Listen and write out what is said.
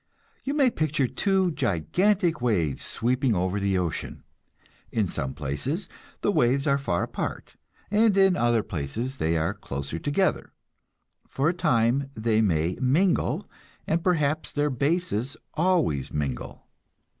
You may picture two gigantic waves sweeping over the ocean. In some places the waves are far apart, and in other places they are closer together; for a time they may mingle, and perhaps their bases always mingle.